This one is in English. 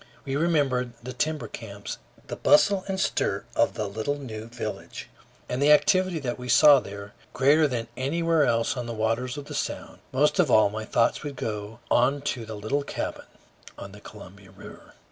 We remembered the timber camps, the bustle and stir of the little new village, and the activity that we saw there, greater than anywhere else on the waters of the Sound. Most of all, my thoughts would go on to the little cabin on the Columbia River.